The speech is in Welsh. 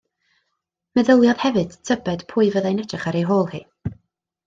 Meddyliodd hefyd tybed pwy fyddai'n edrych ar ei hôl hi.